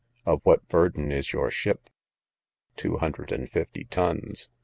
Of what burden is your ship?—Two hundred and fifty tons.